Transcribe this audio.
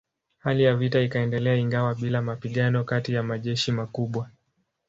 Hali ya vita ikaendelea ingawa bila mapigano kati ya majeshi makubwa.